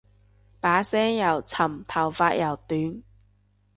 把聲又沉頭髮又短